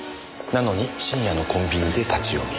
なのに深夜のコンビニで立ち読み。